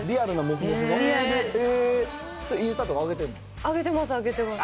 インスタとか上げてんの？